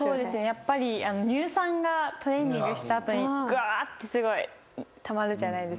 やっぱり乳酸がトレーニングした後にグワーッてすごいたまるじゃないですか。